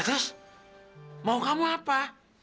terus mau kamu apa